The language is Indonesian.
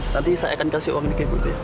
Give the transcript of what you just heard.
nanti saya akan kasih uang ini ke ibu itu ya